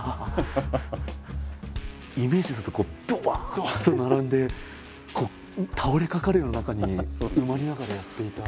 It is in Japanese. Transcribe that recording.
イメージだとこうどばっと並んで倒れかかるような中に埋まりながらやっていた。